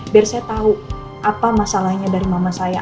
biar saya tahu apa masalahnya dari mama saya